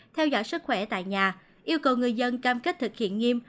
theo dõi sức khỏe tại nhà yêu cầu người dân cam kết thực hiện nghiêm